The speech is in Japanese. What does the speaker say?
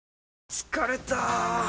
疲れた！